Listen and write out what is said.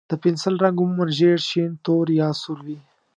د پنسل رنګ عموماً ژېړ، شین، تور، یا سور وي.